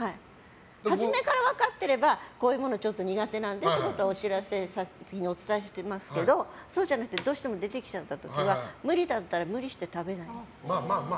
はじめから分かってればこういうもの苦手なんでっていうのをお伝えしてますけどそうじゃなくてどうしても出てきちゃった時は無理だったら無理して食べない。